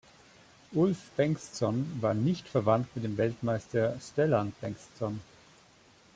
Ulf Bengtsson war nicht verwandt mit dem Weltmeister Stellan Bengtsson.